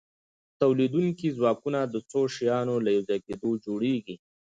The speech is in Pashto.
تولیدونکي ځواکونه د څو شیانو له یوځای کیدو جوړیږي.